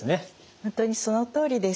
本当にそのとおりです。